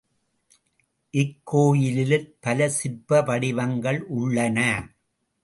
இக்கோயிலில் பல சிற்ப வடிவங்கள் உள்ளன.